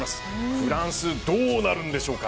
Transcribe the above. フランス、どうなるんでしょうか。